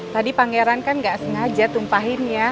tadi pangeran kan nggak sengaja tumpahin ya